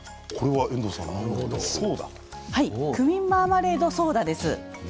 クミンマーマレードソーダです。